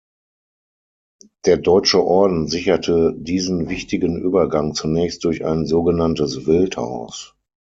Der deutsche Orden sicherte diesen wichtigen Übergang zunächst durch ein sogenanntes Wildhaus.